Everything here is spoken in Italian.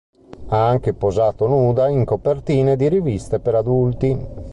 Ha anche posato nuda in copertine di riviste per adulti.